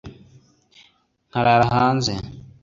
nkarara hanze